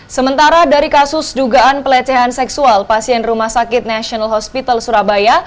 sementara dari kasus dugaan pelecehan seksual pasien rumah sakit national hospital surabaya